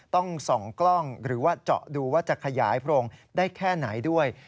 ต้องส่องกล้องหรือว่าเจาะดูว่าจะขยายโพรงได้แค่ไหนด้วย